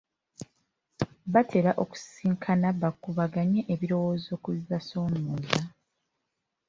Batera okusisinkana bakubaganya ebirowooza ku bibasoomooza.